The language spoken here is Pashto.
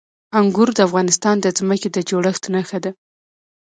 انګور د افغانستان د ځمکې د جوړښت نښه ده.